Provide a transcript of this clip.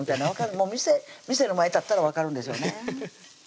もう店の前立ったら分かるんでしょうね